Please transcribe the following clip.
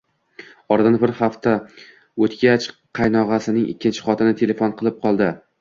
Oradan bir hafta o`tgach, qaynog`asining ikkinchi xotini telefon qilib qoldi